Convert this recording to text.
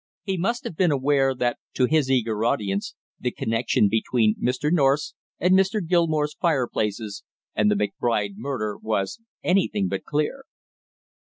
He must have been aware that to his eager audience the connection between Mr. North's and Mr. Gilmore's fireplaces and the McBride murder, was anything but clear.